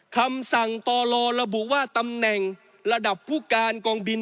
คำสั่งต่อลระบุว่าตำแหน่งระดับผู้การกองบิน